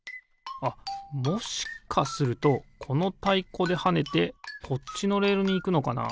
あっもしかするとこのたいこではねてこっちのレールにいくのかな？